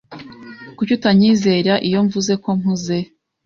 Kuki utanyizera iyo mvuze ko mpuze?